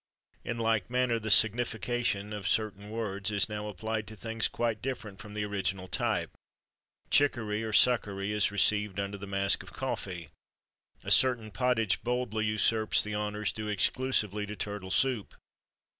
[XXIII 20] In like manner the signification of certain words is now applied to things quite different from the original type: chicory, or succory, is received under the mask of coffee: a certain pottage boldly usurps the honours due exclusively to turtle soup.